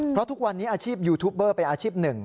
เพราะทุกวันนี้อาชีพยูทูปเบอร์เป็นอาชีพหนึ่ง